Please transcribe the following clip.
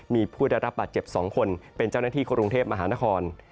มีผู้ได้รับบาดเจ็บ๒คนเป็นเจ้าหน้าที่กรุงเทพมหานคร